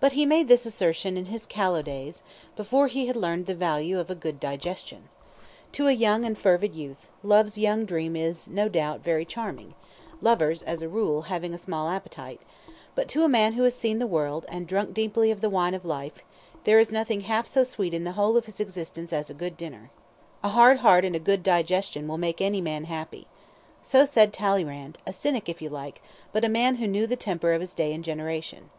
But he made this assertion in his callow days, before he had learned the value of a good digestion. To a young and fervid youth, love's young dream is, no doubt, very charming, lovers, as a rule, having a small appetite; but to a man who has seen the world, and drunk deeply of the wine of life, there is nothing half so sweet in the whole of his existence as a good dinner. "A hard heart and a good digestion will make any man happy." So said Talleyrand, a cynic if you like, but a man who knew the temper of his day and generation.